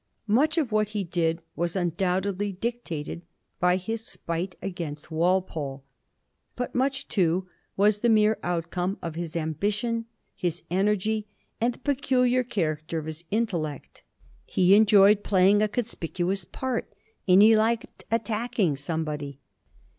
Much of what he did was undoubtedly dictated by his spite against Walpole, but much, too, was the mere outcome of his ambition, his energy, and the peculiar character of his intellect. He enjoyed playing a conspicuous part and he liked attacking somebody.